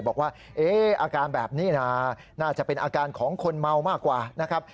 บอกว่าอาการแบบนี้นะน่าจะเป็นอาการของคนเมามากกว่านะครับ